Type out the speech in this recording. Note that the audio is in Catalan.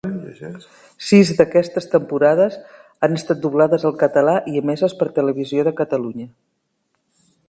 Sis d'aquestes temporades han estat doblades al català i emeses per Televisió de Catalunya.